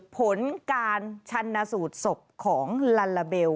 ผลการชันสูตรศพของลัลลาเบล